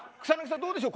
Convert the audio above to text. どうでしょう